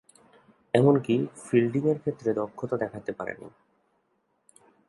এমনকি ফিল্ডিংয়ের ক্ষেত্রে দক্ষতা দেখাতে পারেননি।